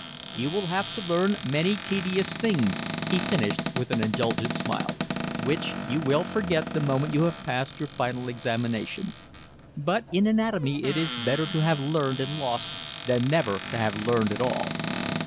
"You will have to learn many tedious things," he finished, with an indulgent smile, "which you will forget the moment you have passed your final examination, but in anatomy it is better to have learned and lost than never to have learned at all."